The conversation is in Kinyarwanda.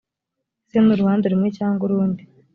se n uruhande rumwe cyangwa urundi